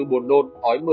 buồn nôn khói mửa